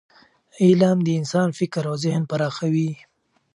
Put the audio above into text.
علم د انسان فکر او ذهن پراخوي.